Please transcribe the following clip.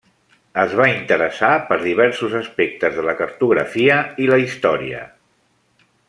Es va interessar per diversos aspectes de la cartografia i la història.